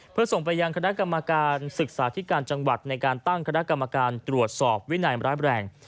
เพื่อส่งไปยังคณะกรรมการศึกษาธิการจังหวัดในการตั้งคณะกรรมการตรวจสอบวินัยร้ายแรง